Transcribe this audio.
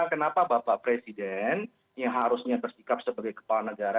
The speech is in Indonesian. kenapa bapak presiden yang harusnya bersikap sebagai kepala negara